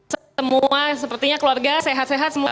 semua sepertinya keluarga sehat sehat semua